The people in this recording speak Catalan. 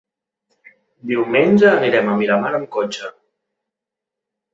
Diumenge anirem a Miramar amb cotxe.